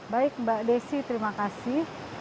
baik mbak desi terima kasih